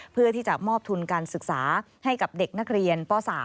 เพื่อที่จะมอบทุนการศึกษาให้กับเด็กนักเรียนป๓